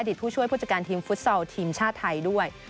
ผู้ช่วยผู้จัดการทีมฟุตซอลทีมชาติไทยด้วย